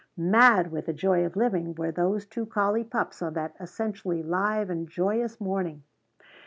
Mad with the joy of living were those two collie pups on that essentially live and joyous morning.